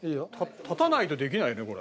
立たないとできないねこれ。